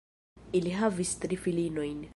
Ili havis tri filinojn.